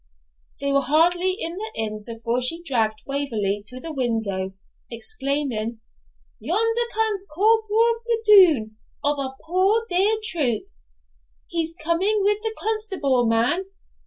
They were hardly in the inn before she dragged Waverley to the window, exclaiming, 'Yonder comes Corporal Bridoon, of our poor dear troop; he's coming with the constable man.